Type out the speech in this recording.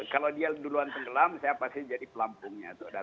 kalau dia duluan tenggelam saya pasti jadi pelampungnya